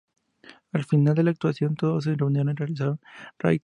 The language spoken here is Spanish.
Al final de la actuación todos se reunieron y realizaron "Rhythm Nation".